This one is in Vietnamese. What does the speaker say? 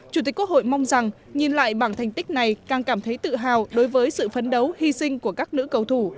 chủ tịch quốc hội mong rằng nhìn lại bảng thành tích này càng cảm thấy tự hào đối với sự phấn đấu hy sinh của các nữ cầu thủ